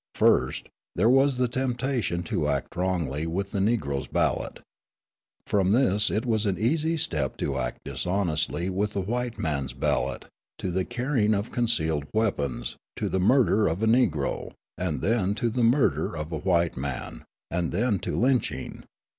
First, there was the temptation to act wrongly with the Negro's ballot. From this it was an easy step to act dishonestly with the white man's ballot, to the carrying of concealed weapons, to the murder of a Negro, and then to the murder of a white man, and then to lynching.